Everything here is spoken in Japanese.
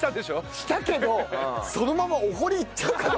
したけどそのままお堀行っちゃうかと。